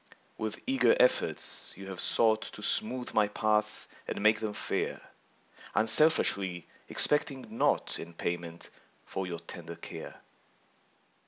% W ITH eager efforts you Have sougkt To smootk my paths and make them fair, Unselfiskly expect 5 mg naugkt In payment for your tender care.